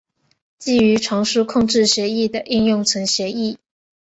基于传输控制协议的应用层协议。